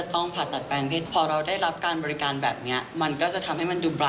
ตอนทำครั้งแรกคิดว่ามันจะเจ็บ